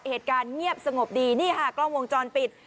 เหตุการณ์เงียบสงบดีนี่ค่ะกล้องวงจรปิด